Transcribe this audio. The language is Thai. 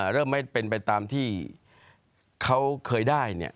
เริ่มไม่เป็นไปตามที่เขาเคยได้เนี่ย